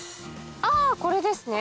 あぁこれですね。